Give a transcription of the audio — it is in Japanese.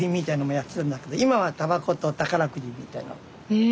へえ。